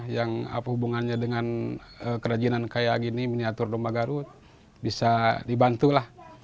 yang apa hubungannya dengan kerajinan kayak gini miniatur domba garut bisa dibantu lah